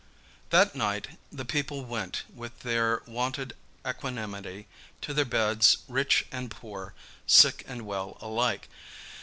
That night the people went, with their wonted equanimity, to their beds, rich and poor, sick and well alike.